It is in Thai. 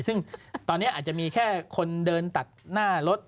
ซึ่งตอนนี้อาจจะมีแค่คนเดินตัดหน้ารถ